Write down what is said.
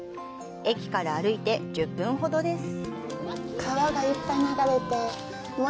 駅から歩いて１０分ほどです。